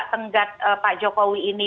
tenggat pak jokowi ini